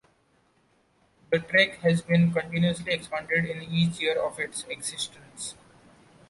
The track has been continuously expanded in each year of its existence.